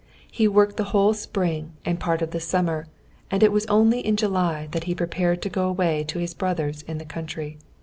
He worked the whole spring and part of the summer, and it was only in July that he prepared to go away to his brother's in the country.